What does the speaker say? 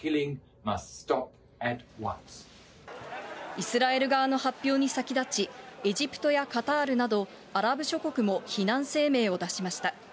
イスラエル側の発表に先立ち、エジプトやカタールなど、アラブ諸国も非難声明を出しました。